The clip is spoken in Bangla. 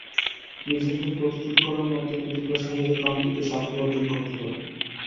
নিজেকে প্রস্তুত করার মাধ্যমে তোমরা সহজেই কাঙ্ক্ষিত সাফল্য অর্জন করতে পারবে।